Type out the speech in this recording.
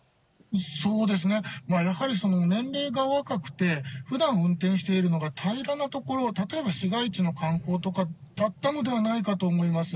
そうですね、やはり年齢が若くて、ふだん運転しているのが平らな所、例えば市街地の観光とかだったのではないかと思います。